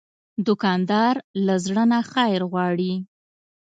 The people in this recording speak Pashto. دوکاندار له زړه نه خیر غواړي.